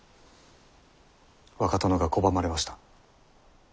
若殿が拒まれました。